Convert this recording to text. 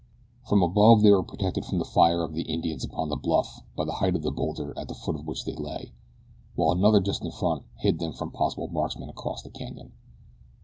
From above they were protected from the fire of the Indians upon the bluff by the height of the bowlder at the foot of which they lay, while another just in front hid them from possible marksmen across the canyon.